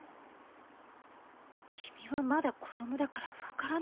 君はまだ子供だから分からないよ。